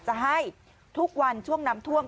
จะให้ทุกวันช่วงน้ำท่วม